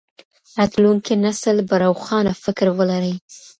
راتلونکی نسل به روښانه فکر ولري.